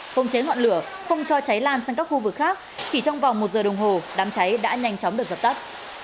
không chế ngọn lửa không cho cháy lan sang các khu vực khác chỉ trong vòng một giờ đồng hồ đám cháy đã nhanh chóng được dập tắt